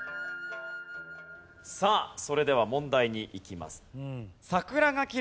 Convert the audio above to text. さあそれでは問題にいきます。